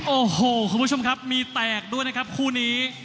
โอ้โหคุณผู้ชมครับมีแตกด้วยนะครับคู่นี้